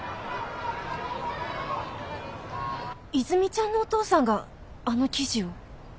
和泉ちゃんのお父さんがあの記事を？